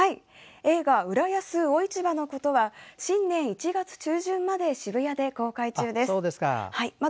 映画「浦安魚市場のこと」は新年１月中旬まで渋谷で公開中です。